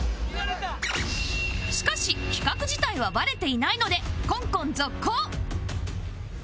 しかし企画自体はバレていないのでコンコン続行